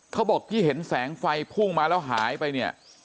เขาบอกที่เห็นแสงไฟพุ่งมาแล้วหายไปเนี่ย